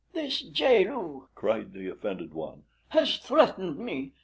"This jaal lu," cried the offended one, "has threatened me.